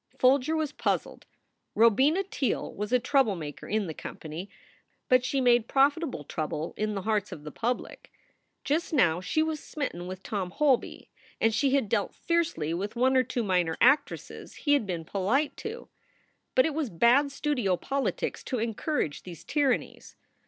Folger was puzzled. Robina Teele was a trouble maker in the company. But she made profitable trouble in the hearts of the public. Just now she was smitten with Tom Holby, and she had dealt fiercely with one or two minor actresses he had been polite to. But it was bad studio politics to encourage these tyrannies.